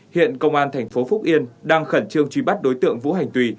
hiện công an tp phúc yên đang khẩn trương truy bắt đối tượng vũ hành tùy